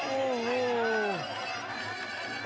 อู้ว